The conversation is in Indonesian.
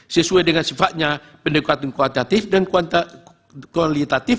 sesuai dengan sifatnya pendekatan kualitatif dan kualitatif